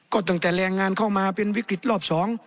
ก็ตั้งแต่แรงงานเข้ามาเป็นวิกฤตรอบ๒